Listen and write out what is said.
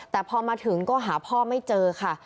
แต่พอมาถึงก็หาพ่อไม่เจอค่ะ